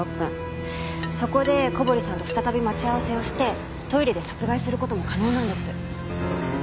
そこで小堀さんと再び待ち合わせをしてトイレで殺害する事も可能なんです。